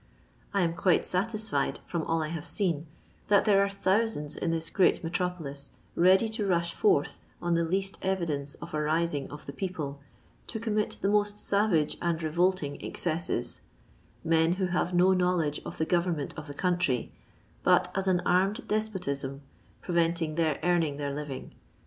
I am quite satisfied, from nil 1 have seen, that there are thouaanda in thia great metropolis ready to rush forth, on the ledst evidence of a rising of the people, to commit the most sayage and revolt ing ezceaaei — men who have no knowledge of the goyemment of the country but as an armed despotism, prerenting their earning their living.